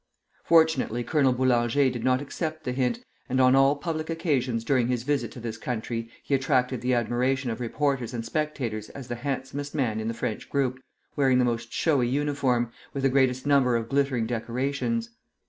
Fortunately Colonel Boulanger did not accept the hint, and on all public occasions during his visit to this country he attracted the admiration of reporters and spectators as the handsomest man in the French group, wearing the most showy uniform, with the greatest number of glittering decorations.